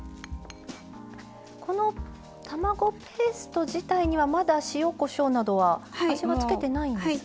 この卵ペースト自体にはまだ塩・こしょうなどは味はつけてないんです？